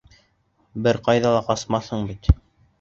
Бер ҡайҙа ла ҡасмаҫһың бит?